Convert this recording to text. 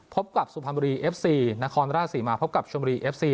พบกับสุพรรณบุรีเอฟซีนครราชศรีมาพบกับชมบุรีเอฟซี